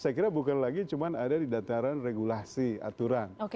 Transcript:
saya kira bukan lagi cuma ada di dataran regulasi aturan